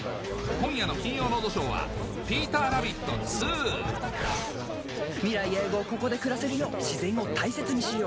今夜の『金曜ロードショー』は『ピーターラビット２』未来永劫ここで暮らせるよう自然を大切にしよう。